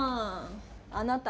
あなた！